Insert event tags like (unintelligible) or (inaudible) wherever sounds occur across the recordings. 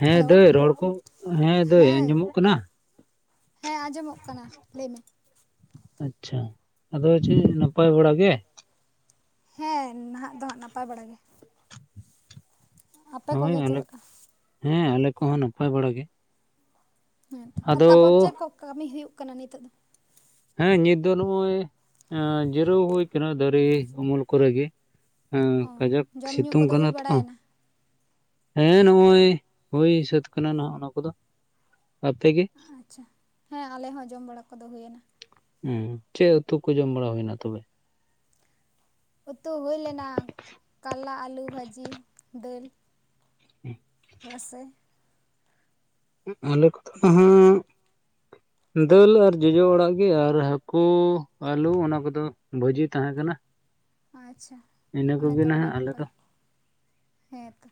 ᱦᱮᱸ ᱦᱮᱞᱳ ᱫᱟᱹᱭ, ᱨᱚᱲ ᱠᱚ ᱦᱮᱸ ᱫᱟᱹᱭ ᱟᱸᱡᱚᱢᱚᱜ ᱠᱟᱱᱟ᱾ ᱦᱮᱸ ᱟᱸᱡᱚᱢᱚ-ᱜ ᱠᱟᱱᱟ ᱾ ᱞᱟᱹᱭ ᱢᱮ? ᱟᱪᱪᱷᱟ ᱟᱫᱚ ᱪᱮᱫ ᱱᱟᱯᱟᱭ ᱵᱟᱲ ᱜᱮ? ᱦᱮᱸ ᱱᱟᱦᱟ-ᱜ ᱫᱚ ᱦᱟᱸᱜ, ᱱᱟᱯᱟᱭ ᱵᱟᱲᱟᱜ ᱜᱮ᱾ ᱟᱯᱮ ᱦᱳᱭ ᱠᱚᱜᱮ ᱪᱮᱫ ᱟᱞᱮᱠ, ᱞᱮᱠᱟ ᱦᱮᱸ ᱟᱞᱮ ᱠᱚᱦᱚᱸ ᱱᱟᱯᱟᱭ ᱵᱟᱲᱟ ᱜᱮ᱾ ᱦᱮᱸᱛᱚ ᱟᱨ ᱟᱫᱚ ᱛᱟᱯᱚᱨ ᱪᱮᱫ ᱠᱚ ᱠᱟᱹᱢᱤ ᱦᱩᱭᱩᱜ ᱠᱟᱱᱟ ᱱᱤᱛᱚᱜ ᱫᱚ? ᱦᱮᱸ ᱱᱤᱛ ᱫᱚ ᱱᱚᱜᱼᱚᱭ ᱮᱸ ᱡᱤᱨᱟᱹᱣ ᱦᱩᱭ ᱠᱟᱱᱟ ᱫᱟᱨᱮ ᱩᱢᱩᱞ ᱠᱚᱨᱮ ᱜᱮ᱾ ᱦᱮᱸ ᱚ ᱠᱟᱡᱟᱠ ᱡᱚᱢ ᱧᱩ ᱥᱤᱛᱩᱝ ᱠᱚᱫᱚ ᱠᱟᱱᱟ ᱦᱩᱭ ᱛᱚ᱾ ᱵᱟᱲᱟᱭᱮᱱᱟ ᱦᱮᱸ ᱱᱚᱜᱼᱚᱭ ᱦᱩᱭ ᱥᱟᱹᱛ ᱠᱟᱱᱟ ᱱᱟᱜ ᱚᱱᱟ ᱠᱚᱫᱚ᱾ ᱟᱯᱮ ᱜᱮ? ᱟᱪᱪᱷᱟ ᱦᱮᱸ ᱟᱞᱮ ᱦᱚᱸ ᱡᱚᱢ ᱵᱟᱲᱟ ᱠᱚᱫᱚ ᱦᱩᱭᱱᱟ᱾ ᱦᱩᱸ ᱪᱮᱫ ᱩᱛᱩ ᱠᱚ ᱡᱚᱢ ᱵᱟᱲᱟ ᱦᱩᱭᱱᱟ ᱛᱚᱵᱮ? ᱩᱛᱩ ᱦᱩᱭ ᱞᱮᱱᱟ ᱠᱟᱞᱞᱟ, ᱟᱹᱞᱩ ᱵᱷᱟᱹᱡᱤ, ᱫᱟᱹᱞ᱾ ᱦᱮᱸ᱾ ᱨᱟᱹᱥᱮ᱾ ᱟᱞᱮ ᱠᱚᱫᱚ ᱦᱟᱸᱜ ᱫᱟᱹᱞ ᱟᱨ ᱡᱚᱡᱚ ᱟᱲᱟᱜ ᱜᱮ ᱟᱨ ᱦᱟᱹᱠᱩ ᱟᱹᱞᱩ ᱚᱱᱟ ᱠᱚᱫᱚ ᱵᱷᱟᱡᱤ ᱛᱟᱦᱮᱸ ᱠᱟᱱᱟ᱾ ᱟᱹᱪᱷᱟ ᱤᱱᱟᱹ ᱚᱱᱮ ᱠᱚᱜᱮ ᱛᱚ ᱟᱹᱰᱤ ᱱᱟᱦᱟᱜ ᱟᱞᱮ ᱱᱟᱯᱟᱭ, ᱦᱮᱸ ᱛᱚ᱾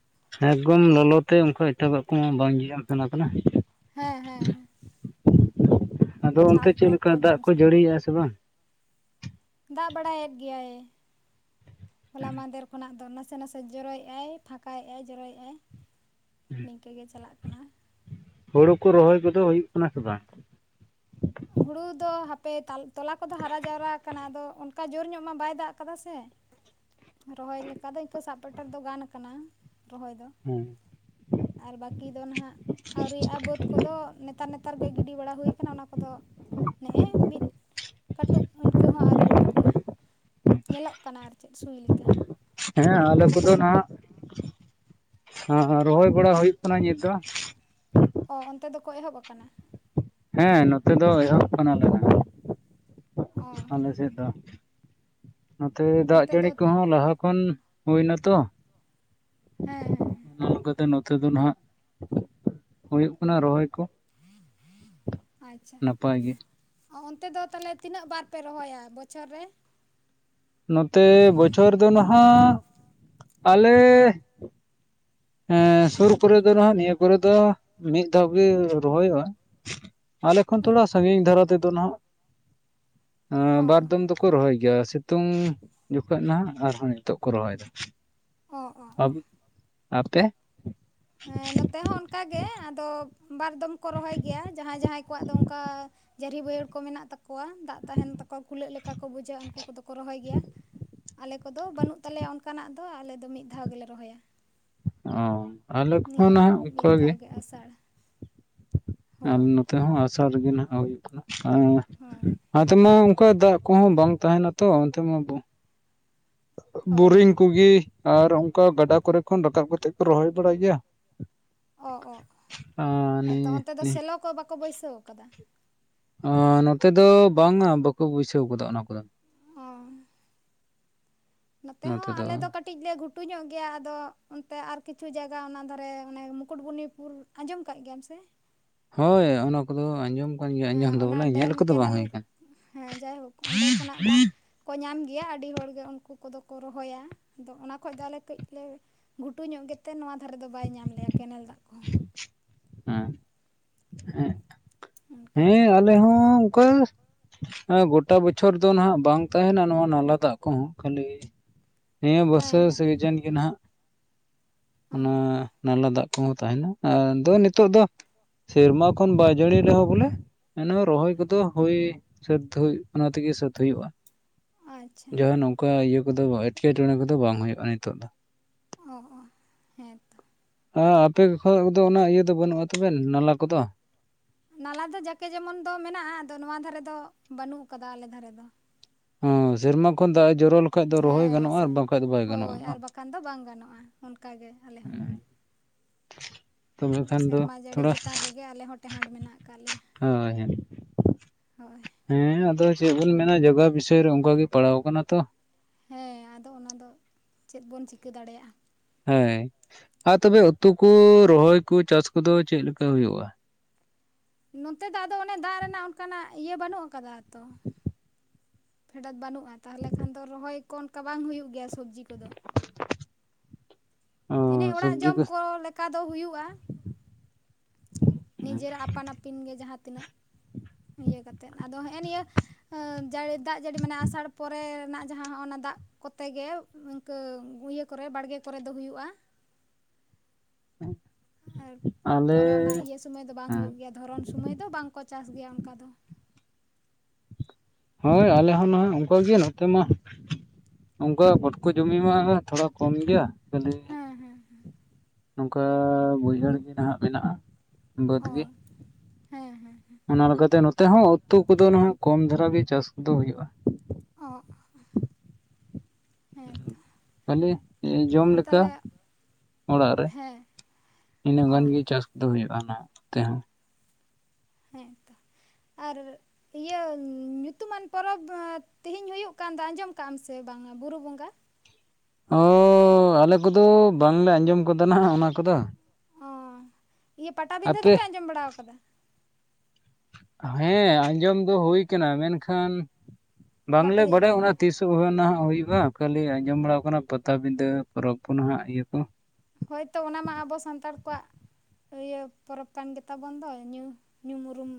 ᱮᱠᱜᱚᱢ ᱞᱚᱞᱚ ᱛᱮ ᱚᱝᱠᱟ ᱮᱴᱟᱠᱟᱜ ᱠᱚᱢᱟ ᱵᱟᱝ ᱡᱤᱭᱟᱱ ᱠᱟᱱᱟ ᱯᱟᱞᱮ? ᱦᱮᱸ ᱦᱮᱸ ᱦᱮᱸ᱾ ᱟᱫᱚ ᱚᱱᱛᱮ ᱡᱷᱟᱞ ᱪᱮᱫ ᱴᱚᱠ ᱞᱮᱠᱟ ᱫᱟᱜ ᱡᱚᱢ ᱠᱚ ᱥᱟᱱᱟ ᱠᱟᱱᱟ ᱡᱟᱹᱲᱤᱭᱮᱜᱼᱟ ᱥᱮ ᱵᱟᱝ? ᱫᱟᱜ ᱵᱟᱲᱟᱭᱮᱫ ᱜᱮᱭᱟᱭ ᱦᱚᱞᱟ ᱢᱟᱫᱮᱨ ᱠᱷᱚᱱᱟᱜ ᱫᱚ ᱱᱟᱥᱮ ᱱᱟᱥᱮ ᱡᱚᱨᱚᱭᱮᱜᱼᱟᱭ ᱯᱷᱟᱠᱟᱭᱮᱜᱼᱟᱭ ᱡᱚᱨᱚᱭᱮᱜᱼᱟᱭ᱾ ᱱᱤᱝᱠᱟᱹ ᱜᱮ ᱪᱟᱞᱟᱜ ᱠᱟᱱᱟ᱾ ᱦᱳᱲᱩ ᱠᱚ ᱨᱚᱦᱚᱭ ᱠᱚᱫᱚ ᱦᱩᱭᱩᱜ ᱠᱟᱱᱟ ᱥᱮ ᱵᱟᱝ? ᱦᱩᱲᱩ ᱫᱚ ᱦᱟᱯᱮ ᱛᱚᱞᱟ ᱛᱚᱞᱟ ᱠᱚᱫᱚ ᱦᱟᱨᱟ ᱡᱟᱣᱨᱟᱣ ᱟᱠᱟᱱᱟ ᱟᱫᱚ ᱚᱱᱠᱟ ᱡᱳᱨ ᱧᱚᱜ ᱢᱟ ᱵᱟᱭ ᱫᱟᱜ ᱟᱠᱟᱫᱟ ᱥᱮ᱾ (inaudible) ᱨᱚᱦᱚᱭ ᱞᱮᱠᱟ ᱫᱚ ᱤᱱᱠᱟᱹ ᱥᱟᱵ ᱯᱮᱴᱚᱨ ᱫᱚ ᱜᱟᱱ ᱠᱟᱱᱟ ᱨᱚᱦᱚᱭ ᱫᱚ᱾ ᱦᱮᱸ᱾ ᱟᱨ ᱵᱟᱹᱠᱤ ᱫᱚ ᱱᱷᱟᱦᱟᱜ ᱟᱹᱣᱨᱤᱭᱟᱜ-ᱟ ᱵᱟᱹᱫᱽ ᱠᱚᱫᱚ ᱱᱮᱛᱟᱨ ᱱᱮᱛᱟᱨ ᱜᱮ ᱜᱤᱰᱤ ᱵᱟᱲᱟ ᱦᱩᱭᱩ ᱠᱟᱱᱟ ᱚᱱᱟ ᱟᱫᱚ ᱱᱮᱜᱼᱮ ᱢᱤᱫ ᱠᱟᱹᱴᱩᱵ ᱤᱱᱠᱟᱹ ᱦᱚᱸ ᱟᱹᱣᱨᱤ ᱩᱰᱩᱠᱚᱜᱼᱟ᱾ ᱧᱮᱞᱚᱜ ᱠᱟᱱᱟ ᱟᱨ ᱪᱮᱫ ᱥᱩᱭ ᱞᱮᱠᱟ᱾ ᱦᱮᱸ ᱟᱞᱮ ᱠᱚᱫᱚ ᱱᱟᱜ ᱦᱮᱸ ᱨᱚᱦᱚᱭ ᱵᱟᱲᱟ ᱦᱩᱭᱩᱜ ᱠᱟᱱᱟ ᱧᱤᱛ ᱫᱚ᱾ ᱚ ᱚᱱᱛᱮ ᱫᱚᱠᱚ ᱮᱦᱚᱵ ᱟᱠᱟᱱᱟ᱾ ᱦᱮᱸ ᱱᱚᱛᱮ ᱫᱚ ᱮᱦᱚᱵ ᱠᱟᱱᱟᱞᱮ ᱱᱟᱜ, ᱚ ᱟᱞᱮ ᱥᱮᱫ ᱫᱚ᱾ ᱱᱚᱛᱮ ᱫᱟᱜ ᱚᱱᱛᱮ ᱫᱚ ᱡᱟᱹᱲᱤ ᱠᱚᱦᱚᱸ ᱞᱟᱦᱟ ᱠᱷᱚᱱ ᱦᱩᱭ ᱱᱟᱛᱚ᱾ ᱦᱮᱸ᱾ ᱦᱮᱸ ᱦᱮᱸ ᱱᱚ-ᱱᱚᱠᱟᱛᱮ ᱱᱚᱛᱮ ᱫᱚ ᱱᱟᱦᱟᱜ ᱦᱩᱭᱩᱜ ᱠᱟᱱᱟ ᱨᱚᱦᱚᱭ ᱠᱚ᱾ ᱟᱪᱪᱷ ᱱᱟᱯᱟᱭ ᱜᱮ᱾ ᱚ ᱚᱱᱛᱮ ᱫᱚ ᱛᱟᱦᱚᱞᱮ ᱛᱤᱱᱟᱹᱜ ᱵᱟᱨ ᱯᱮ ᱨᱚᱦᱚᱭᱟ ᱵᱚᱪᱷᱚᱨ ᱨᱮ? ᱱᱚᱛᱮ ᱵᱚᱪᱷᱚᱨ ᱫᱚ ᱱᱟᱦᱟᱜ ᱟᱞᱮ ᱦᱮᱸ ᱥᱩᱨ ᱠᱚᱨᱮ ᱫᱚ ᱱᱟᱦᱟᱜ ᱱᱤᱭᱟᱹ ᱠᱚᱨᱮ ᱫᱚ ᱢᱤᱫ ᱫᱷᱟᱣ ᱜᱮ ᱨᱚᱦᱚᱭᱚᱜᱼᱟ᱾ ᱟᱞᱮ ᱠᱷᱚᱱ ᱛᱷᱚᱲᱟ ᱥᱟᱺᱜᱤᱧ ᱫᱷᱟᱨᱟ ᱛᱮᱫᱚ ᱱᱟᱦᱟᱜ ᱮᱸ ᱚ ᱵᱟᱨᱫᱚᱢ ᱫᱚ ᱠᱚ ᱨᱚᱦᱚᱭ ᱜᱮᱭᱟ, ᱥᱤᱛᱩᱝ ᱡᱚᱠᱷᱚᱱ ᱱᱟᱦᱟᱜ ᱟᱨᱦᱚᱸ ᱱᱤᱛᱚᱜ ᱠᱚ ᱨᱚᱦᱚᱭᱫᱟ᱾ ᱚᱸ ᱚᱸ᱾ ᱟᱯᱮ ᱦᱮᱸ ᱱᱚᱛᱮ ᱦᱚᱸ ᱚᱱᱠᱟᱜᱮ ᱟᱫᱚ ᱵᱟᱨ ᱫᱚᱢ ᱠᱚ ᱨᱚᱦᱚᱭ ᱜᱮᱭᱟ ᱡᱟᱦᱟᱸᱭ ᱡᱟᱦᱟᱸᱭ ᱠᱚᱣᱟᱜ ᱫᱚ ᱚᱱᱠᱟᱼᱼ ᱡᱟᱹᱨᱤ ᱵᱟᱹᱭᱦᱟᱹᱲ ᱠᱚ ᱢᱮᱱᱟᱜ ᱛᱟᱼᱼ ᱠᱳᱣᱟ ᱫᱟᱜ ᱛᱟᱦᱮᱱ ᱛᱟᱠᱚᱣᱟ ᱯᱷᱩᱞᱟᱜ ᱞᱮᱠᱟ ᱠᱚ ᱵᱩᱡᱷᱟᱹᱣ ᱩᱱᱠᱩ ᱠᱚ ᱫᱚ ᱠᱚ ᱨᱚᱦᱚᱭ ᱜᱮᱭᱟ ᱟᱞᱮ ᱠᱚ ᱫᱚ ᱵᱟᱹᱱᱩᱜᱼᱼ ᱛᱟᱦᱟᱞᱮ ᱚᱱᱠᱟᱱᱟᱜ ᱫᱚ ᱟᱞᱮ ᱫᱚ ᱢᱤᱫ ᱫᱷᱟᱣ ᱜᱮᱞᱮ ᱨᱚᱦᱚᱭᱟ᱾ ᱦᱚᱸ ᱟᱞᱮ ᱠᱷᱚᱸ ᱱᱟᱜ ᱚᱱᱠᱟᱜᱮ ᱟᱹᱥᱟᱲ ᱟᱢ ᱱᱚᱛᱮ ᱦᱚᱸ ᱟᱥᱟᱹ ᱨᱮᱜᱮ ᱱᱟᱦᱟᱜ ᱱᱚᱝᱠᱟ ᱦᱳᱭ ᱟᱻ ᱱᱛᱮᱢᱟ ᱚᱱᱠᱟ ᱫᱟᱜᱼᱼ ᱠᱚᱦᱚᱸ ᱵᱟᱝ ᱛᱟᱦᱮᱱᱟ ᱛᱚ ᱚᱱᱛᱮᱢᱟ ᱦᱳᱭ ᱵᱩᱨᱤᱝᱼᱼ ᱠᱩᱜᱮ ᱟᱨ ᱚᱱᱠᱟ ᱜᱟᱰᱟ ᱠᱚᱨᱮ ᱠᱷᱚᱱ ᱨᱟᱠᱟᱵ ᱠᱟᱛᱮᱫ ᱠᱚ ᱨᱚᱦᱚᱭ ᱵᱟᱲᱟᱭ ᱜᱮᱭᱟ᱾ ᱟᱸ ᱦᱮᱸ ᱛᱚ ᱚᱱᱛᱮ ᱫᱚ ᱥᱮᱞᱚ ᱠᱚ ᱵᱟᱠᱚ ᱵᱟᱹᱭᱥᱟᱹᱣ ᱟᱠᱟᱫᱟᱹ ᱦᱟᱻᱱᱚᱛᱮ ᱫᱚ ᱵᱟᱝᱟ ᱵᱟᱠᱚ ᱵᱟᱭᱥᱟᱣ ᱟᱠᱟᱫᱟ ᱚᱱᱟ ᱠᱚᱫᱚ᱾ ᱚᱸ ᱱᱚᱛᱮ ᱦᱚᱸ ᱟᱞᱮ ᱫᱚ ᱠᱟᱹᱴᱤᱡᱼᱼ ᱠᱟᱹᱴᱤᱡ ᱞᱮ ᱜᱷᱩᱴᱩ ᱧᱚᱜ ᱜᱮᱭᱟ ᱟᱫᱚ ᱚᱱᱛᱮ ᱟᱨ ᱠᱤᱪᱷᱩ ᱡᱟᱭᱜᱟ ᱚᱱᱟ ᱫᱷᱟᱨᱮ ᱚᱱᱮ ᱢᱩᱠᱩᱴᱢᱩᱱᱤᱯᱩᱨ, ᱟᱸᱡᱚᱢ ᱟᱠᱟᱫ ᱜᱮᱭᱟᱢ ᱥᱮ? ᱦᱳᱭ ᱚᱱᱟ ᱠᱚᱫᱚ ᱟᱸᱡᱚᱢᱼᱼ ᱦᱮᱸ ᱚᱱᱟ ᱰᱮᱢ ᱠᱮᱱᱮᱞ ᱦᱮᱸ ᱡᱟᱭᱦᱳᱠ ᱚᱸᱰᱮ ᱠᱷᱚᱱᱟᱜ ᱫᱟᱜᱼᱼ ᱠᱚ ᱧᱟᱢ ᱜᱮᱭᱟ ᱟᱹᱰᱤ ᱦᱚᱲᱜᱮ ᱩᱱᱠᱩ ᱠᱚᱫᱚ ᱠᱚ ᱨᱚᱦᱚᱭᱟ ᱟᱫᱚ ᱚᱱᱟ ᱠᱷᱚᱱ ᱫᱚ ᱟᱞᱮ ᱠᱟᱹᱡ ᱞᱮᱼᱼ ᱜᱷᱩᱴᱩ ᱧᱚᱜ ᱜᱮᱛᱮ ᱱᱚᱣᱟ ᱫᱷᱟᱨᱮ ᱫᱚ ᱵᱟᱭ ᱧᱟᱢ ᱞᱮᱼᱟ ᱠᱮᱱᱮᱞ ᱫᱟᱜ ᱠᱚᱦᱚᱸ ᱦᱮᱸ ᱦᱮᱸ ᱚᱱᱠᱟᱜᱮ ᱦᱮᱸ ᱟᱞᱮ ᱦᱚᱸ ᱚᱱᱠᱟ ᱦᱮᱸ ᱜᱚᱴᱟ ᱵᱚᱪᱷᱚᱨ ᱫᱚ ᱱᱟᱦᱟᱜ ᱵᱟᱝ ᱛᱟᱦᱮᱱᱟ ᱱᱚᱣᱟ ᱱᱟᱞᱟ ᱫᱟᱜ ᱠᱚᱦᱚᱸ ᱠᱷᱟᱹᱞᱤᱼᱼ ᱱᱤᱭᱟᱹ ᱵᱚᱨᱥᱟ ᱦᱮᱸ ᱦᱮᱸ ᱥᱤᱡᱮᱱ ᱜᱮ ᱱᱟᱦᱟᱜ ᱚ ᱚᱱᱟ ᱱᱟᱞᱟ ᱫᱟᱜᱼᱼ ᱠᱚ ᱛᱟᱦᱮᱱᱟ ᱟᱫᱚ ᱱᱤᱛᱚᱜ ᱫᱚ ᱥᱮᱨᱢᱟ ᱠᱷᱚᱱ ᱵᱟᱭ ᱡᱟᱹᱲᱤ ᱨᱮᱦᱚᱸ ᱵᱚᱞᱮ, ᱮ ᱨᱚᱦᱚᱭ ᱠᱚᱫᱚ ᱦᱩᱭ ᱥᱟᱹᱛ ᱦᱩᱭᱩᱜ ᱚᱱᱟ ᱛᱮᱜᱮ ᱥᱟᱹᱛ ᱦᱩᱭᱩᱜᱼᱟ᱾ ᱟᱪᱪᱷᱟ ᱡᱟᱦᱟᱸ ᱱᱚᱝ ᱠᱟ ᱤᱭᱟᱹ ᱠᱚᱫᱚ ᱮᱴᱠᱮᱴᱚᱬᱮᱸ ᱠᱚᱫᱚ ᱵᱟᱝ ᱦᱩᱭᱩᱜᱼᱟ ᱱᱤᱛᱚᱜ ᱫᱚ ᱚᱸ ᱚᱸᱦᱮᱸ ᱛᱚ ᱟᱯᱮ ᱠᱷᱚᱡ ᱫᱚ ᱚᱱᱟ ᱤᱭᱟᱹ ᱫᱚ ᱵᱟᱹᱱᱩᱜᱼᱟ ᱛᱚᱵᱮ ᱱᱟᱞᱟ ᱠᱚᱫᱚ ᱱᱟᱞᱟ ᱫᱚ ᱡᱟᱠᱮ ᱡᱮᱢᱚᱱ ᱫᱚ ᱢᱮᱱᱟᱜᱼᱟ ᱟᱫᱚ ᱱᱚᱣᱟ ᱫᱷᱟᱨᱮ ᱫᱚ ᱵᱟᱹᱱᱩᱜ ᱟᱠᱟᱫᱟ ᱟᱞᱮ ᱫᱷᱟᱨᱮ ᱫᱚ᱾ ᱦᱚᱸ ᱥᱮᱨᱢᱟ ᱠᱷᱚᱱ ᱫᱟᱜ ᱮ ᱡᱚᱨᱚᱼᱼ ᱵᱟᱝ ᱠᱷᱟ ᱫᱚ ᱨᱚᱦᱚᱭ ᱦᱮᱸ ᱜᱟᱱᱚᱜᱼᱟ ᱥᱮ ᱟᱨ ᱵᱟᱝᱠᱷᱟᱱ ᱫᱚ ᱵᱟᱭ ᱜᱟᱱᱚᱜᱼᱟ ᱦᱳᱭ ᱟᱨ ᱵᱟᱝ ᱵᱟᱠᱷᱟᱱ ᱫᱚ ᱵᱟᱝ ᱜᱟᱱᱚᱜᱼᱟ ᱚᱱᱠᱟᱜᱮ ᱟᱞᱮ ᱦᱚᱸ (inaudible) ᱠᱷᱟᱱ ᱫᱚ ᱥᱮᱨᱢᱟ ᱡᱟᱹᱲᱤ ᱛᱷᱚᱲᱟ ᱪᱮᱛᱟᱱ ᱨᱮᱜᱮ ᱟᱞᱮ ᱦᱚᱸ ᱴᱮᱦᱟᱸᱰ ᱢᱮᱱᱟᱜ ᱠᱟᱜ ᱞᱮᱭᱟ᱾ ᱦᱳᱭ ᱦᱳᱭ ᱦᱳᱭ ᱦᱮᱸ ᱟᱫᱚ ᱪᱮᱫ ᱵᱚᱱ ᱢᱮᱱᱟ ᱡᱟᱜᱟᱣ ᱵᱤᱥᱚᱭ ᱨᱮ ᱚᱱᱠᱟ ᱜᱮ ᱯᱟᱲᱟᱣ ᱟᱠᱟᱱᱟ ᱛᱚ, ᱦᱮᱸ ᱟᱫᱚ ᱚᱱᱟᱫᱚ ᱪᱮᱫ ᱵᱚᱱ ᱪᱤᱠᱟᱹ ᱫᱟᱲᱮᱭᱟᱜᱼᱟ᱾ ᱦᱮᱸ ᱟᱨ ᱛᱚᱵᱮ ᱩᱛᱩ ᱠᱚ ᱨᱚᱦᱚᱭ ᱠᱚ ᱪᱟᱥ ᱠᱚᱫᱚ ᱪᱮᱫ ᱞᱮᱠᱟ ᱦᱩᱭᱩᱜᱼᱟ᱾ ᱱᱚᱛᱮ ᱫᱚ ᱟᱫᱚ ᱚᱱᱮ ᱫᱟᱜ ᱨᱮᱱᱟᱜ ᱚᱱᱠᱟᱱᱟᱜ ᱤᱭᱟᱹ ᱵᱟᱹᱱᱩᱜ ᱟᱠᱟᱫᱟ ᱛᱚ ᱯᱷᱮᱰᱟᱛ ᱵᱟᱹᱱᱩᱜᱼᱟ ᱛᱟᱦᱚᱞᱮ ᱠᱷᱟᱱ ᱫᱚ ᱨᱚᱦᱚᱭ ᱠᱚ ᱚᱱᱠᱟ ᱵᱟᱝ ᱦᱩᱭᱩᱜ ᱜᱮᱭᱟ ᱥᱚᱵᱽᱡᱤ ᱠᱚᱫᱚ᱾ ᱚ ᱮᱱᱮ ᱚᱲᱟᱜ ᱥᱚᱵᱽᱡᱤ ᱡᱚᱢ ᱠᱚ ᱞᱮᱠᱟ ᱫᱚ ᱦᱩᱭᱩᱜᱼᱟ᱾ ᱱᱤᱡᱮᱨᱟᱜ ᱟᱯᱟᱱ ᱟᱹᱯᱤᱱ ᱜᱮ ᱡᱟᱦᱟᱸ ᱛᱤᱱᱟᱹᱜᱼᱼ ᱤᱭᱟᱹ ᱠᱟᱛᱮᱫ ᱟᱫᱚ ᱦᱮᱸᱜᱼᱮ ᱱᱤᱭᱟᱹ ᱡᱟᱲᱮᱼᱼ ᱫᱟᱜ ᱡᱟᱹᱲᱤ ᱢᱟᱱᱮ ᱟᱥᱟᱲ ᱯᱚᱨᱮ ᱨᱮᱱᱟᱜ ᱡᱟᱦᱟᱸ ᱚᱱᱟ ᱫᱟᱜᱼᱼ ᱠᱚᱛᱮ ᱜᱮ ᱤᱱᱠᱟᱹ ᱤᱭᱟᱹ ᱠᱚᱨᱮ ᱵᱟᱲᱜᱮ ᱠᱚᱨᱮ ᱫᱚ ᱦᱩᱭᱩᱜᱼᱟ ᱾ (unintelligible) ᱟᱨ ᱟᱞᱮ ᱯᱚᱨᱮ ᱚᱱᱟ ᱤᱭᱟᱹ ᱥᱚᱢᱚᱭ ᱫᱚ ᱵᱟᱝ ᱦᱮᱸ ᱦᱩᱭᱩᱜ ᱜᱮᱭᱟ, ᱫᱷᱚᱨᱚᱱ ᱥᱚᱢᱟᱹᱭ ᱫᱚ ᱵᱟᱝᱠᱚ ᱪᱟᱥ ᱜᱮᱭᱟ ᱚᱱᱠᱟ ᱫᱚ ᱾ ᱦᱳᱭ ᱟᱞᱮ ᱦᱚᱸ ᱱᱚᱜ-ᱚᱭ ᱚᱱᱠᱟ ᱜᱮ ᱱᱚᱛᱮ ᱢᱟ, ᱚᱱᱠᱟ ᱜᱚᱴᱠᱚ ᱡᱚᱢᱤ ᱢᱟ ᱛᱷᱚᱲᱟ ᱠᱚᱢ ᱜᱮᱭᱟ, ᱠᱷᱟᱹᱞᱤ ᱦᱮᱸ ᱦᱮᱸ ᱦᱮᱸ ᱱᱚᱝᱠᱟ ᱵᱟᱹᱭᱦᱟᱹᱲ ᱜᱮ ᱱᱟᱦᱟᱸᱜ ᱢᱮᱱᱟᱜᱼᱟ ᱾ ᱵᱟᱹᱫ ᱚ ᱜᱮ ᱦᱮᱸ ᱦᱮᱸ ᱦᱮᱸ ᱚᱱᱟ ᱞᱮᱠᱟᱛᱮ ᱱᱚ ᱛᱮᱦᱚᱸ ᱩᱛᱩ ᱠᱚᱫᱚ ᱱᱟᱦᱟᱜ ᱠᱚᱢ ᱫᱷᱟᱨᱟ ᱜᱮ ᱪᱟᱥ ᱠᱚᱫᱚ ᱦᱩᱭᱩᱜᱼᱟ ᱾ (unintelligible) ᱦᱮᱸ ᱛᱚ ᱟᱞᱮ ᱡᱚᱢ ᱟᱨ ᱞᱮᱠᱟ ᱛᱟᱦᱚᱞᱮ ᱚᱲᱟᱜ ᱨᱮ ᱦᱮᱸ ᱤᱱᱟᱹ ᱚ ᱜᱟᱱ ᱜᱮ ᱪᱟᱥ ᱠᱚᱫᱚ ᱦᱩᱭᱩᱜᱼᱟ ᱱᱚᱛᱮ ᱦᱚᱸ ᱾ ᱦᱮᱸ ᱛᱚ (unintelligible) ᱟᱨ ᱤᱭᱟᱹ ᱧᱩᱛᱩᱢᱟᱱ ᱯᱚᱨᱚᱵᱽ ᱛᱮᱦᱮᱧ ᱦᱩᱭᱩᱜ ᱠᱟᱱ ᱫᱚ ᱟᱸᱡᱚᱢ ᱠᱟᱜ ᱟᱢ ᱥᱮ ᱵᱟᱝ ᱵᱩᱨᱩ ᱵᱚᱸᱜᱟ? ᱚᱻ ᱟᱞᱮ ᱠᱚᱫᱚ ᱵᱟᱝᱞᱮ ᱟᱸᱡᱚᱢ ᱠᱟᱫᱟ ᱱᱟᱦᱟᱜ ᱚᱱᱟ ᱠᱚᱫᱚ ᱾ ᱚ ᱤᱭᱟᱹ ᱯᱟᱴᱟᱵᱤᱸᱫᱟᱹ ᱟᱯᱮ ᱫᱚᱯᱮ ᱟᱸᱡᱚᱢ ᱵᱟᱲᱟ ᱠᱟᱫᱟ? ᱦᱮᱸ ᱟᱸᱡᱚᱢ ᱫᱚ ᱦᱩᱭ ᱠᱟᱱᱟ ᱢᱮᱱᱠᱷᱟᱱ ᱵᱟᱯᱮ ᱵᱟᱝᱞᱮ ᱦᱮᱡ ᱵᱟᱰᱟᱭᱟ ᱟᱠᱟᱱᱟ ᱚᱱᱟ ᱛᱤᱥ ᱱᱤᱛᱚᱜ ᱱᱟᱦᱟᱜ ᱦᱩᱭᱩᱜᱼᱟ ᱠᱷᱟᱹᱞᱤ ᱟᱸᱡᱚᱢ ᱵᱟᱲᱟ ᱟᱠᱟᱱᱟ ᱯᱟᱴᱟᱵᱤᱫᱷᱟᱹ ᱯᱚᱨᱚᱵᱽ ᱠᱚ ᱱᱟᱦᱟᱜ ᱤᱭᱟᱹ ᱠᱚ᱾ ᱦᱳᱭᱛᱚ ᱚᱱᱟ ᱢᱟ ᱟᱵᱚ ᱥᱟᱱᱛᱟᱲ ᱠᱚᱣᱟᱜ ᱤᱭᱟᱹ ᱯᱚᱨᱚᱵᱽ ᱠᱟᱱ ᱜᱮᱛᱟ ᱵᱚᱱ ᱫᱚ ᱧᱩ ᱧᱩᱢ ᱩᱨᱩᱢ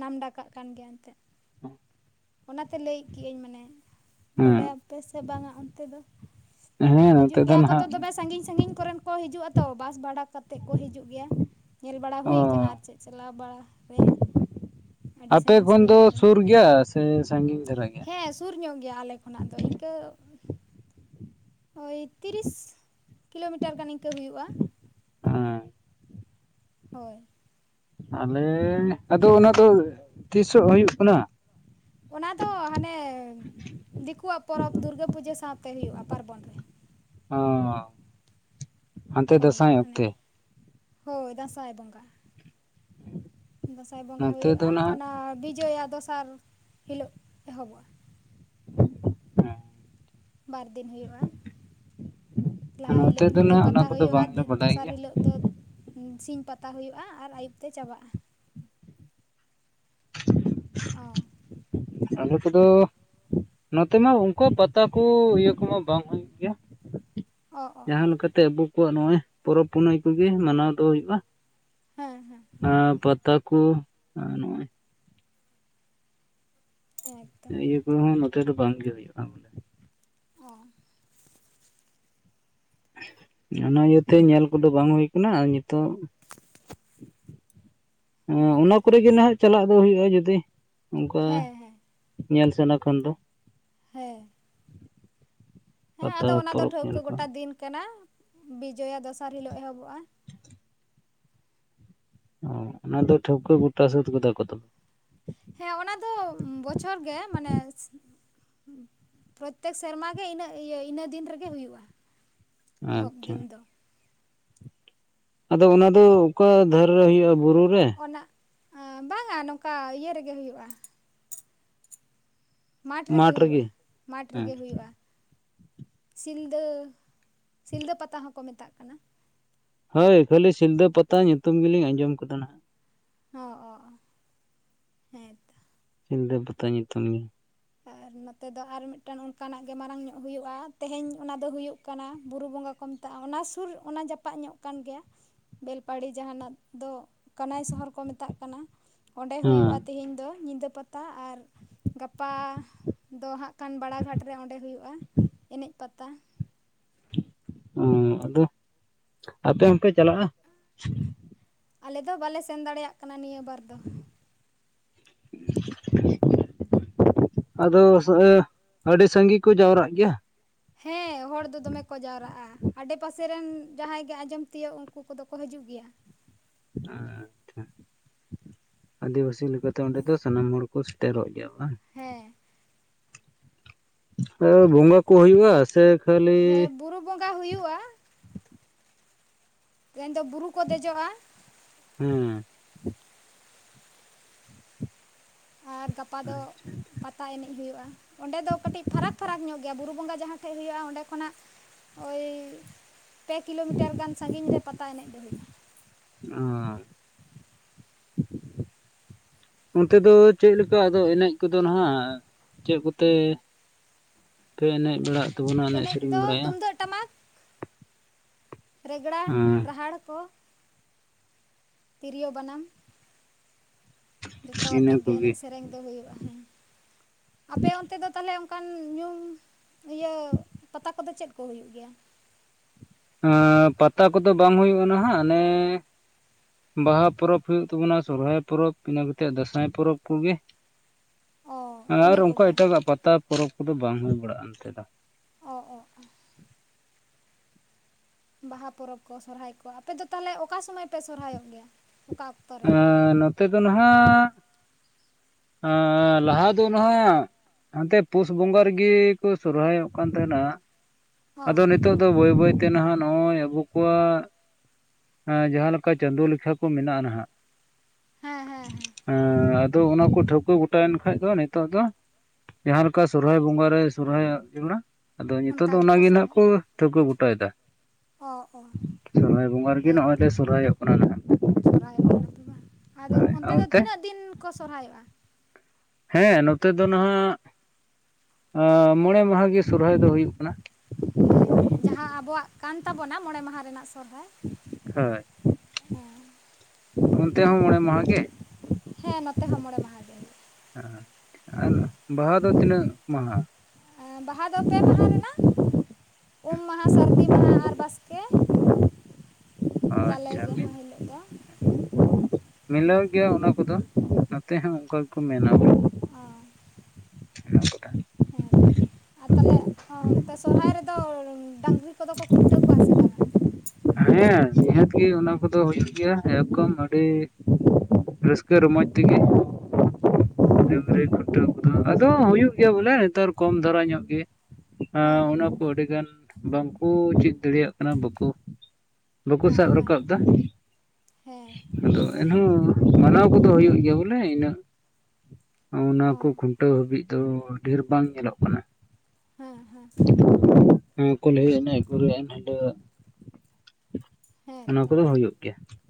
ᱱᱟᱢᱰᱟᱠᱟᱜ ᱠᱟᱱ ᱜᱮᱭᱟ ᱮᱱᱛᱮᱫ ᱾ (unintelligible) ᱚᱱᱟᱛᱮ ᱞᱟᱹᱭ ᱠᱮᱟᱧ ᱢᱟᱱᱮ ᱵᱟᱰᱟᱭ ᱦᱮᱸ ᱟᱯᱮ ᱥᱮ ᱵᱟᱝᱟ ᱚᱱᱛᱮ ᱫᱚ ᱦᱮᱸ ᱱᱚᱛᱮ ᱦᱤᱡᱩᱜ ᱫᱚ ᱜᱮᱭᱟ ᱠᱚ ᱛᱚ ᱱᱟᱦᱟᱜ ᱫᱚᱢᱮ ᱥᱟᱺᱜᱤᱧ ᱥᱟᱺᱜᱤᱧ ᱠᱚᱨᱮᱱ ᱠᱚ ᱦᱤᱡᱩᱜᱼᱟ ᱛᱚ ᱵᱟᱥ ᱵᱷᱟᱲᱟ ᱠᱟᱛᱮᱫ ᱠᱚ ᱦᱤᱡᱩᱜ ᱜᱮᱭᱟ, ᱧᱮᱞ ᱵᱟᱲᱟ ᱦᱩᱭ ᱚ ᱟᱠᱟᱱᱟ ᱟᱨ ᱪᱮᱫ ᱪᱟᱞᱟᱣ ᱵᱟᱲ ᱨᱮ ᱾ ᱟᱯᱮ ᱠᱷᱚᱱ ᱫᱚ ᱥᱩᱨ ᱠᱚ ᱜᱮᱭᱟ ᱾ ᱥᱮ ᱥᱟᱺᱜᱤᱧ ᱫᱷᱟᱨᱟ ᱜᱮ, ᱦᱮᱸ ᱥᱩᱨ ᱧᱚᱜ ᱜᱮᱭᱟ ᱟᱞᱮ ᱠᱷᱚᱱᱟᱜ ᱫᱚ ᱤᱱᱠᱟᱹ ᱳᱭ ᱛᱤᱨᱤᱥ ᱠᱤᱞᱳᱢᱤᱴᱟᱨ ᱜᱟᱱ ᱤᱱᱠᱟᱹ ᱦᱩᱭᱩᱜᱼᱟ ᱾ (unintelligible) ᱦᱳᱭ ᱾ ᱟᱞᱮ ᱟᱫᱚ ᱚᱱᱟ ᱫᱚ ᱛᱤᱥᱚᱜ ᱦᱩᱭᱩᱜ ᱠᱟᱱᱟ? ᱚᱱᱟ ᱫᱚ ᱦᱟᱱᱮ ᱫᱤᱠᱩᱣᱟᱜ ᱯᱚᱨᱚᱵ ᱫᱩᱨᱜᱟᱹ ᱯᱩᱡᱟᱹ ᱥᱟᱶᱛᱮ ᱦᱩᱭᱩᱜᱼᱟ ᱯᱟᱨᱵᱚᱱ ᱨᱮ ᱾ ᱚ ᱦᱟᱱᱛᱮ ᱦᱳᱭ ᱫᱟᱸᱥᱟᱭ ᱢᱟᱱᱮ ᱚᱠᱛᱮ ᱦᱳᱭ ᱫᱟᱸᱥᱟᱭ ᱵᱚᱸᱜᱟ ᱾ ᱫᱟᱸᱥᱟᱭ ᱵᱚᱸᱜᱟ ᱱᱚᱛᱮ ᱫᱚ ᱦᱩᱭᱩᱜᱼᱟ ᱱᱟᱦᱟᱜ ᱚᱱᱟ ᱵᱤᱡᱚᱭᱟ ᱫᱚᱥᱟᱨ ᱦᱤᱞᱳᱜ ᱮᱦᱚᱵᱚᱜᱼᱟ᱾ (unintelligible) ᱵᱟᱨ ᱫᱤᱱ ᱦᱩᱭᱩᱜᱼᱟ ᱾ ᱞᱟᱦᱟ ᱱᱚᱛᱮ ᱦᱤᱞᱳᱜ ᱫᱚ ᱧᱤᱫᱟᱹ ᱱᱟᱦᱟᱜ ᱚᱱᱟ ᱯᱟᱛᱟ ᱠᱚᱫᱚ ᱦᱩᱭᱩᱜᱼᱟ ᱵᱟᱝᱞᱮ ᱫᱤᱱ ᱵᱟᱰᱟᱭ ᱫᱚᱥᱟᱨ ᱜᱮᱭᱟ ᱦᱤᱞᱳᱜ ᱫᱚ ᱥᱤᱧ ᱯᱟᱛᱟ ᱦᱩᱭᱩᱜᱼᱟ ᱟᱨ ᱟᱹᱭᱩᱵ ᱛᱮ ᱪᱟᱵᱟᱜᱼᱟ ᱾ ᱚ ᱟᱞᱮ ᱠᱚᱫᱚ ᱱᱚᱛᱮ ᱢᱟ ᱚᱱᱠᱟ ᱯᱟᱛᱟ ᱠᱚ ᱤᱭᱟᱹ ᱠᱚᱢᱟ ᱵᱟᱝ ᱦᱩᱭᱩᱜ ᱜᱮᱭᱟ ᱚ ᱾ ᱚ ᱡᱟᱦᱟᱸ ᱞᱮᱠᱟᱛᱮ ᱟᱵᱚ ᱠᱚᱣᱟᱜ ᱱᱚᱜᱼᱚᱭ ᱯᱚᱨᱚᱵᱽ ᱯᱩᱱᱟᱹᱭ ᱠᱚᱜᱮ ᱢᱟᱱᱟᱣ ᱫᱚ ᱦᱩᱭᱩᱜᱼᱟ᱾ ᱦᱮᱸ ᱯᱟᱛᱟ ᱠᱚ ᱱᱚᱜᱼᱚᱭ (inaudible) ᱤᱭᱟᱹ ᱠᱚᱦᱚᱸ ᱱᱚᱛᱮ ᱫᱚ ᱵᱟᱝ ᱜᱮ ᱦᱩᱭᱩᱜᱼᱟ ᱾ ᱚ ᱚᱱᱟ ᱤᱭᱟᱹᱛᱮ ᱧᱮᱞ ᱠᱚᱫᱚ ᱵᱟᱝ ᱦᱩᱭ ᱠᱟᱱᱟ ᱾ ᱛᱚ, ᱦᱮᱸ ᱩᱱ (inaudible) ᱛᱚ ᱠᱚᱨᱮ ᱜᱮ ᱱᱟᱦᱟᱜ ᱪᱟᱞᱟᱜ ᱫᱚ ᱦᱩᱭᱩᱜᱼᱟ, ᱡᱩᱫᱤ ᱚᱱᱠᱟ ᱦᱮᱸ ᱦᱮᱸ ᱧᱮᱞ ᱥᱟᱱᱟ ᱠᱷᱟᱱ ᱫᱚ ᱾ ᱦᱮᱸ ᱾ ᱦᱮᱸ ᱯᱟᱛᱟ ᱟᱫᱚ ᱚᱱᱟ ᱫᱚ ᱯᱚᱨᱚᱵᱽ ᱴᱷᱟᱹᱣᱠᱟᱹ ᱧᱮᱞ ᱠᱚ ᱜᱚᱴᱟ ᱫᱤᱱ ᱠᱟᱱᱟ, ᱵᱤᱡᱚᱭᱟ ᱫᱚᱥᱟᱨ ᱦᱤᱞᱚᱜ ᱮᱦᱚᱵᱚᱜᱼᱟ᱾ ᱚ ᱚᱱᱟ ᱫᱚ ᱴᱷᱟᱹᱣᱠᱟᱹ ᱜᱚᱴᱟ ᱥᱟᱹᱛ ᱠᱟᱫᱟ ᱠᱚ ᱛᱚ ᱾ ᱦᱮᱸ ᱚᱱᱟ ᱫᱚ ᱵᱚᱪᱷᱚᱨ ᱜᱮ ᱢᱟᱱᱮ ᱯᱨᱚᱛᱮᱠ ᱥᱮᱨᱢᱟ ᱜᱮ ᱤᱱᱟᱹ ᱤᱭᱟᱹ ᱤᱱᱟᱹ ᱫᱤᱱ ᱨᱮᱜᱮ ᱦᱩᱭᱩᱜᱼᱟ᱾ ᱮᱦᱚᱵ ᱟᱪᱪᱷᱟ ᱫᱤᱱ ᱫᱚ ᱾ ᱟᱫᱚ ᱚᱱᱟ ᱫᱚ ᱚᱠᱟ ᱫᱷᱟᱨᱮ ᱨᱮ ᱦᱩᱭᱩᱜᱼᱟ᱾ ᱵᱩᱨᱩ ᱨᱮ? ᱚᱱᱟ ᱵᱟᱝᱟ ᱱᱚᱝᱠᱟ ᱤᱭᱟᱹ ᱨᱮᱜᱮ ᱦᱩᱭᱩᱜᱼᱟ᱾ ᱢᱟᱴᱷ ᱨᱮᱜᱮ ᱦᱩᱭᱩᱜᱼᱟ, ᱢᱟᱴᱷ ᱦᱮᱸ ᱨᱮᱜᱮ ᱦᱩᱭᱩᱜᱼᱟ᱾ ᱥᱤᱞᱫᱟᱹ, ᱥᱤᱞᱫᱟᱹ ᱯᱟᱛᱟ ᱦᱚᱸᱠᱚ ᱢᱮᱛᱟᱜ ᱠᱟᱱᱟ ᱾ ᱦᱳᱭ ᱠᱷᱟᱹᱞᱤ ᱥᱤᱞᱫᱟᱹ ᱯᱟᱛᱟ ᱧᱩᱛᱩᱢ ᱜᱮᱞᱤᱧ ᱟᱸᱡᱚᱢ ᱟᱠᱟᱫᱟ ᱱᱟᱦᱟᱜ ᱾ ᱚ ᱚ ᱦᱮᱸ ᱛᱚ ᱾ ᱥᱤᱞᱫᱟᱹ ᱯᱟᱛᱟ ᱧᱩᱛᱩᱢ ᱜᱮ ᱾ ᱟᱨ ᱱᱚᱛᱮ ᱫᱚ ᱟᱨ ᱢᱤᱫᱴᱟᱝ ᱚᱱᱠᱟᱱᱟᱜ ᱜᱮ ᱢᱟᱨᱟᱝ ᱧᱚᱜ ᱦᱩᱭᱩᱜᱼᱟ᱾ ᱛᱮᱦᱮᱧ ᱚᱱᱟ ᱫᱚ ᱦᱩᱭᱩᱜ ᱠᱟᱱᱟ᱾ ᱵᱩᱨᱩ ᱵᱚᱸᱜᱟ ᱠᱚ ᱢᱮᱛᱟᱜᱼᱟ᱾ ᱚᱱᱟ ᱥᱩᱨ ᱚᱱᱟ ᱡᱟᱯᱟᱜ ᱧᱚᱜ ᱠᱟᱱ ᱜᱮᱭᱟ᱾ ᱵᱮᱞᱯᱟᱦᱟᱲᱤ ᱡᱟᱦᱟᱱᱟᱜ ᱫᱚ ᱠᱟᱱᱟᱭ ᱥᱚᱦᱚᱨ ᱠᱚ ᱢᱮᱛᱟᱜ ᱠᱟᱱᱟ ᱾ ᱚᱸᱰᱮ ᱦᱩᱭᱩᱜᱼᱟ, ᱦᱮᱸ ᱛᱤᱦᱤᱧ ᱫᱚ ᱧᱤᱫᱟᱹ ᱯᱟᱛᱟ ᱟᱨ ᱜᱟᱯᱟ ᱫᱚ ᱦᱟᱸᱜ ᱠᱷᱟᱱ ᱵᱟᱲᱟ ᱜᱷᱟᱴ ᱨᱮ ᱚᱸᱰᱮ ᱦᱩᱭᱩᱜᱼᱟ ᱮᱱᱮᱡ ᱯᱟᱛᱟ ᱾ ᱚᱸ ᱟᱫᱚ ᱟᱯᱮ ᱦᱚᱸᱯᱮ ᱪᱟᱞᱟᱜᱼᱟ? ᱟᱞᱮ ᱫᱚ ᱵᱟᱞᱮ ᱥᱮᱱ ᱫᱟᱲᱮᱭᱟᱜ ᱠᱟᱱᱟ ᱱᱤᱭᱟᱹ ᱵᱟᱨ ᱫᱚ ᱾ (inaudible) ᱟᱫᱚ ᱥᱚᱦᱮ ᱟᱹᱰᱤ ᱥᱟᱸᱜᱮ ᱠᱚ ᱡᱟᱣᱨᱟᱜ ᱜᱮᱭᱟ? ᱦᱮᱸ ᱦᱚᱲ ᱫᱚ ᱫᱚᱢᱮ ᱠᱚ ᱡᱟᱣᱨᱟᱜᱼᱟ ᱾ ᱟᱰᱮ ᱯᱟᱥᱮ ᱨᱮᱱ ᱡᱟᱦᱟᱸᱭ ᱜᱮ ᱟᱸᱡᱚᱢ ᱛᱤᱭᱳᱜ ᱩᱱᱠᱩ ᱠᱚ ᱫᱚ ᱠᱚ ᱦᱤᱡᱩᱜ ᱜᱤᱭᱟ ᱾ ᱟᱪᱪᱷᱟ ᱾ ᱟᱹᱫᱤᱵᱟᱹᱥᱤ ᱞᱮᱠᱟᱛᱮ ᱚᱸᱰᱮ ᱫᱚ ᱥᱟᱱᱟᱢ ᱦᱚᱲ ᱠᱚ ᱥᱮᱴᱮᱨᱚᱜ ᱜᱮᱭᱟ ᱵᱟᱝ ᱾ ᱦᱮᱸ ᱾ ᱵᱚᱸᱜᱟ ᱠᱚ ᱦᱩᱭᱩᱜᱼᱟ ᱥᱮ ᱠᱷᱟᱹᱞᱤ ᱦᱮᱸ ᱵᱩᱨᱩ ᱵᱚᱸᱜᱟ ᱦᱩᱭᱩᱜᱼᱟ ᱾ ᱢᱮᱱᱫᱚ ᱵᱩᱨᱩ ᱠᱚ ᱫᱮᱡᱚᱜᱼᱟ ᱾ ᱦᱩᱸ ᱾ ᱟᱨ ᱜᱟᱯᱟ ᱫᱚ ᱟᱪᱪᱷᱟ ᱟᱪᱪᱷᱟ ᱯᱟᱛᱟ ᱮᱱᱮᱡ ᱦᱩᱭᱩᱜᱼᱟ᱾ ᱚᱸᱰᱮ ᱫᱚ ᱠᱟᱹᱴᱤᱡ ᱯᱷᱟᱨᱟᱠ ᱯᱷᱟᱨᱟᱠ ᱧᱚᱜ ᱜᱮᱭᱟ, ᱵᱩᱨᱩ ᱵᱚᱸᱜᱟ ᱡᱟᱦᱟᱸ ᱴᱷᱮᱡ ᱦᱩᱭᱩᱜᱼᱟ᱾ ᱚᱸᱰᱮ ᱠᱷᱚᱱᱟᱜ ᱳᱭ ᱯᱮ ᱠᱤᱞᱳᱢᱤᱴᱟᱨ ᱜᱟᱱ ᱥᱟᱺᱜᱤᱧ ᱨᱮ ᱯᱟᱛᱟ ᱮᱱᱮᱡ ᱫᱚ ᱦᱩᱭᱩᱜᱼᱟ ᱚ ᱚᱱᱛᱮ ᱫᱚ ᱪᱮᱫ ᱞᱮᱠᱟ ᱟᱫᱚ ᱮᱱᱮᱡ ᱠᱚᱫᱚ ᱱᱟᱦᱟᱜ ᱪᱮᱫ ᱠᱚᱛᱮ ᱟᱯᱮ ᱮᱱᱮᱡ ᱵᱟᱲᱟᱜ ᱛᱟᱵᱚᱱᱟ ᱮᱱᱮᱡ ᱥᱮᱨᱮᱧ ᱫᱚ ᱵᱟᱲᱟᱭᱟ ᱛᱩᱢᱫᱟᱹᱜ ᱴᱟᱢᱟᱠ ᱨᱮᱜᱽᱲᱟ ᱾ ᱮᱸ ᱫᱟᱦᱟᱲ ᱠᱚ ᱾ ᱛᱤᱨᱭᱳ ᱵᱟᱱᱟᱢ ᱾ ᱤᱱᱟᱹ ᱡᱚᱛᱚᱣᱟᱛᱮᱫ ᱜᱮ ᱠᱚᱜᱮ ᱮᱱᱮᱡ ᱥᱮᱹᱨᱮᱹᱧ ᱫᱚ ᱦᱳᱭᱳᱜᱼᱟ, ᱦᱮᱸ ᱾ ᱟᱯᱮ ᱚᱱᱛᱮ ᱫᱚ ᱛᱟᱦᱞᱮ ᱚᱱᱠᱟᱱ ᱧᱩᱢ ᱾ ᱤᱭᱟᱹ ᱯᱟᱛᱟ ᱠᱚᱫᱚ ᱪᱮᱫ ᱠᱚ ᱦᱩᱭᱩᱜ ᱜᱮᱭᱟ? ᱟᱸᱯᱟᱛᱟ ᱠᱚᱫᱚ ᱵᱟᱝ ᱦᱳᱭᱳᱜᱼᱟ ᱱᱟᱦᱟᱜ ᱱᱮ ᱵᱟᱦᱟ ᱯᱚᱨᱚᱵᱽ ᱦᱩᱭᱩᱜ ᱛᱟᱵᱚᱱᱟ ᱥᱚᱨᱦᱟᱭ ᱯᱚᱨᱚᱵᱽ ᱤᱱᱟᱹ ᱠᱟᱛᱮᱜ ᱫᱟᱸᱥᱟᱭ ᱯᱚᱨᱚᱵᱽ ᱠᱚᱜᱮ ᱾ ᱚ ᱟᱨ ᱤᱱᱟᱹ ᱚᱱᱠᱟ ᱠᱚᱜᱮ ᱮᱴᱟᱜᱟᱜ ᱯᱟᱛᱟ ᱯᱚᱨᱚᱵᱽ ᱠᱚᱫᱚ ᱵᱟᱝ ᱦᱳᱭ ᱵᱟᱲᱟᱜᱼᱟ ᱱᱚᱛᱮ ᱫᱚ ᱾ ᱚ -ᱚ -ᱚ ᱾ ᱵᱟᱦᱟ ᱯᱚᱨᱚᱵᱽ ᱠᱚ ᱥᱚᱨᱦᱟᱭ ᱠᱚ ᱟᱯᱮ ᱫᱚ ᱛᱟᱞᱦᱮ ᱚᱠᱟ ᱥᱚᱢᱚᱭ ᱯᱮ ᱥᱚᱨᱦᱟᱭᱚᱜ ᱜᱮᱭᱟ, ᱚᱠᱟ? ᱚᱠᱛᱚ ᱨᱮ ᱮᱸ ᱱᱚᱛᱮ ᱫᱚ ᱱᱟᱦᱟᱜ ᱟᱸ ᱞᱟᱦᱟ ᱫᱚ ᱱᱟᱦᱟᱸᱭᱟ ᱾ ᱦᱟᱱᱛᱮ ᱯᱩᱥ ᱵᱚᱸᱜᱟ ᱨᱮᱜᱮ ᱠᱚ ᱥᱚᱨᱦᱟᱭᱚᱜ ᱠᱟᱱ ᱛᱟᱦᱮᱱᱟ ᱚ ᱟᱫᱚ ᱱᱤᱛ ᱱᱤᱛᱚᱜ ᱫᱚ ᱵᱟᱹᱭ ᱵᱟᱹᱭᱛᱮ ᱱᱟᱦᱟᱜ ᱱᱚᱜᱼᱚᱭ ᱟᱵᱚ ᱠᱚᱣᱟᱜ ᱮᱸ ᱡᱟᱦᱟᱸᱮᱠᱟ ᱪᱟᱸᱫᱳ ᱞᱮᱠᱷᱟ ᱠᱚ ᱢᱮᱱᱟᱜᱼᱟ ᱱᱟᱦᱟᱜ ᱦᱮᱸ -ᱦᱮᱸ -ᱦᱮᱸ ᱾ ᱮᱸ ᱟᱫᱚ ᱚᱱᱟᱠᱚ ᱴᱷᱟᱹᱣᱠᱟᱹ ᱜᱚᱴᱟᱭᱮᱱ ᱠᱷᱟᱱ ᱫᱚ ᱱᱤᱛᱚᱜ ᱫᱚ ᱾ ᱡᱟᱦᱟᱸ ᱞᱮᱠᱟ ᱥᱚᱨᱦᱟᱭ ᱵᱚᱸᱜᱟ ᱨᱮ ᱥᱚᱨᱦᱟᱭ ᱟᱫ ᱞᱮᱱᱟ (unintelligible) ᱟᱫᱚ ᱱᱤᱛᱚᱜ ᱚᱱᱠᱟ ᱫᱚ ᱜᱮᱠᱚ ᱚᱱᱟᱜᱮ ᱱᱟᱦᱟᱜ ᱥᱚᱨᱦᱟᱭᱚᱜ ᱠᱚ ᱴᱷᱟᱹᱣᱠᱟᱹ ᱜᱚᱴᱟᱭᱮᱫᱟ ᱚ ᱚ ᱾ ᱥᱚᱨᱦᱟᱭ ᱵᱚᱸᱜᱟ ᱨᱮᱜᱮ ᱱᱚᱜᱼᱚᱭ ᱦᱮᱸᱛᱚ ᱞᱮ ᱥᱚᱨᱦᱟᱭᱚᱜ ᱠᱟᱱᱟ ᱱᱟᱜ ᱾ ᱥᱚᱨᱦᱟᱭᱚᱜ ᱠᱟᱱᱟ ᱞᱮ ᱵᱟᱝ, ᱟᱫᱚ ᱦᱳᱭ ᱟᱨ ᱚᱱᱛᱮ ᱫᱚ ᱛᱤᱱᱟᱹᱜ ᱫᱤᱱ ᱠᱚ ᱥᱚᱨᱦᱟᱭᱚᱜᱼᱟ? ᱦᱮᱸ ᱱᱚᱛᱮ ᱫᱚ ᱱᱟᱦᱟᱜ ᱢᱚᱬᱮ ᱢᱟᱦᱟ ᱜᱮ ᱥᱚᱨᱦᱟᱭ ᱫᱚ ᱦᱩᱭᱩᱜ ᱠᱟᱱᱟ ᱾ ᱦᱮᱸ, ᱡᱟᱦᱟᱸ ᱟᱵᱚᱣᱟᱜ ᱠᱟᱱ ᱛᱟᱵᱚᱱᱟ ᱢᱚᱬᱮ ᱢᱟᱦᱟ ᱨᱮᱱᱟᱜ ᱥᱚᱨᱦᱟᱭ ᱦᱳᱭ ᱦᱮᱸ ᱪᱚᱜ ᱚᱱᱛᱮ ᱦᱚᱸ ᱢᱚᱬᱮ ᱢᱟᱦᱟ ᱜᱮ? ᱦᱮᱸ ᱱᱚᱛᱮ ᱦᱚᱸ ᱢᱚᱬᱮ ᱢᱟᱦᱟ ᱜᱮ ᱾ ᱮᱸ ᱾ ᱟᱱ ᱵᱟᱦᱟ ᱫᱚ ᱛᱤᱱᱟᱹᱜ ᱢᱟᱦᱟ? ᱮᱸ ᱵᱟᱦᱟ ᱫᱚ ᱯᱮ ᱢᱟᱦᱟ ᱨᱮᱱᱟᱜ ᱩᱢ ᱢᱟᱦᱟ ᱥᱟᱹᱨᱫᱤ ᱢᱟᱦᱟ ᱟᱨ ᱵᱟᱥᱠᱮᱹ ᱾ ᱡᱟᱞᱮ ᱟᱪᱪᱷᱟ ᱡᱟᱦᱟᱸ ᱢᱤᱫ ᱦᱤᱞᱳᱜ ᱫᱚ ᱢᱤᱞᱟᱹᱣ ᱜᱮ ᱚᱱᱟ ᱠᱚᱫᱚ ᱱᱚᱛᱮ ᱦᱚᱸ ᱚᱱᱠᱟ ᱜᱮᱠᱚ ᱢᱮᱱᱟ ᱾ ᱚ ᱾ ᱦᱮᱸᱛᱚ ᱟᱨ ᱛᱟᱞᱦᱮ ᱚᱱᱛᱮ ᱥᱚᱨᱦᱟᱭ ᱨᱮᱫᱚ ᱰᱟᱝᱨᱤ ᱠᱚᱫᱚ ᱠᱚ ᱠᱷᱩᱱᱴᱟᱹᱣ ᱠᱚᱣᱟ ᱥᱮ ᱵᱟᱝᱟ? ᱦᱮᱸ ᱱᱤᱦᱟᱹᱛ ᱜᱮ ᱚᱱᱟ ᱠᱚᱫᱚ ᱦᱩᱭᱩᱜ ᱜᱮᱭᱟ ᱮᱫᱚᱢ ᱟᱹᱰᱤ ᱨᱟᱹᱥᱠᱟᱹ ᱨᱚᱢᱚᱡᱽ ᱛᱮᱜᱮ ᱚ ᱾ ᱰᱟᱹᱝᱨᱤ ᱠᱷᱩᱴᱟᱹᱣ ᱠᱚᱫᱚ ᱟᱫᱚ ᱦᱩᱭᱩᱜ ᱜᱮᱭᱟ ᱵᱚᱞᱮ ᱱᱮᱛᱟᱨ ᱠᱚᱢ ᱫᱷᱟᱨᱟ ᱧᱚᱜ ᱜᱮ, ᱾ ᱟᱸ ᱦᱮᱸ ᱚᱱᱟ ᱦᱮᱸ ᱠᱚ ᱟᱹᱰᱤ ᱜᱟᱱ ᱵᱟᱝᱠᱚ ᱪᱮᱫ ᱫᱟᱲᱮᱭᱟᱜ ᱠᱟᱱᱟ ᱵᱟᱠᱚ ᱵᱟᱠᱩ ᱦᱮᱸ ᱥᱟᱵ ᱦᱮᱸ ᱨᱟᱠᱟᱵ ᱫᱫᱟ ᱦᱮᱸ ᱟᱫᱚ ᱮᱱᱦᱚᱸ ᱢᱟᱱᱟᱣ ᱠᱚᱫᱚ ᱦᱩᱭᱩᱜ ᱜᱮᱭᱟ ᱵᱚᱞᱮ ᱤᱱᱟᱹ ᱾ ᱚᱱᱟ ᱚ ᱠᱚ ᱠᱷᱩᱱᱴᱟᱹᱣ ᱦᱟᱹᱵᱤᱡ ᱫᱚ ᱰᱷᱮᱨ ᱵᱟᱝ ᱧᱮᱞᱚᱜ ᱠᱟᱱᱟ ᱼ- ᱦᱮᱸ ᱦᱮᱸ ᱦᱮ ᱠᱩᱞ ᱦᱩᱭᱩᱜ ᱮᱱᱮᱡ ᱜᱩᱨ ᱮᱱᱦᱤᱞᱳᱜ (unintelligible) ᱦᱮᱸ ᱚᱱᱟ ᱛᱚ ᱠᱚᱫᱚ ᱦᱳᱭᱳᱜ ᱜᱮᱭᱟ ᱾